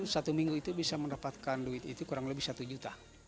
satu minggu itu bisa mendapatkan duit itu kurang lebih satu juta